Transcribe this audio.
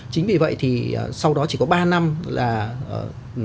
chính vì vậy thì sau đó chỉ có một số bệnh nhân bị tắc dụng phụ và tử vong